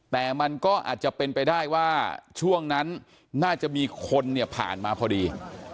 แต่มันก็อาจจะเป็นไปได้ว่าช่วงนั้นน่าจะมีคนเนี่ยผ่านมาพอดี